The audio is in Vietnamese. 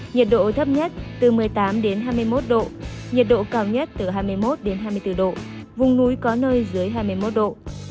nhiệt độ thấp nhất từ một mươi tám hai mươi một độ nhiệt độ cao nhất từ hai mươi một hai mươi bốn độ vùng núi có nơi dưới hai mươi một độ